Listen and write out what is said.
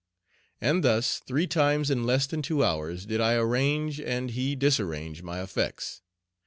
And thus three times in less than two hours did I arrange and he disarrange my effects.